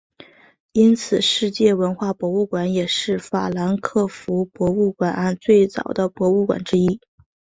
因此世界文化博物馆也是法兰克福博物馆岸最早的博物馆之一。